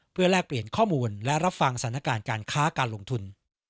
เพื่อแลกเปลี่ยนข้อมูลและรับฟังสถานการณ์การค้าการลงทุน